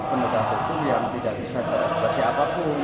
pemeriksaan hukum yang tidak bisa diberi apapun